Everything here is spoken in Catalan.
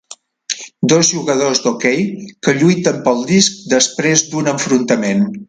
Dos jugadors d'hoquei que lluiten pel disc després d'un enfrontament.